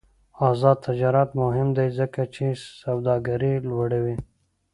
آزاد تجارت مهم دی ځکه چې سوداګري لوړوي.